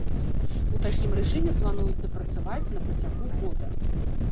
У такім рэжыме плануецца працаваць на працягу года.